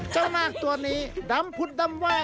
เจ้าหน้ากตัวนี้ดำพุดดำไหว่